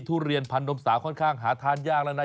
ทุเรียนพันนมสาวค่อนข้างหาทานยากแล้วนะ